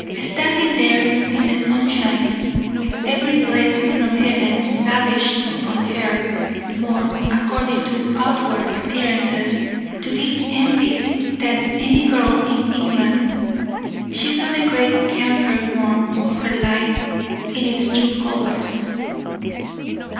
Standing there in the sunshine, with every blessing from heaven lavished upon her more, according to outward appearances, to be envied than any girl in England she saw the great canker worm of her life in its true colors.